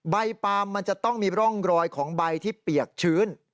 ปลามมันจะต้องมีร่องรอยของใบที่เปียกชื้น